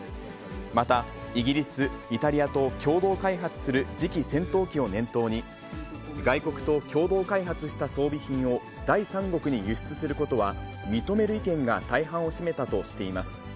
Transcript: また、イギリス、イタリアと共同開発する次期戦闘機を念頭に、外国と共同開発した装備品を第三国に輸出することは認める意見が大半を占めたとしています。